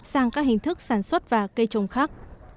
sang các hình thức sản xuất và cây trồng khác